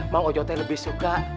mang ojo teh lebih suka